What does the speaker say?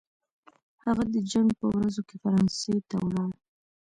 هغه د جنګ په ورځو کې فرانسې ته ولاړ.